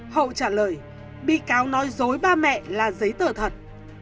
hậu trả lời bị cáo nói dối ba mẹ là giấy tờ thật